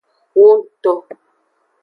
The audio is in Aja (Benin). Wongto.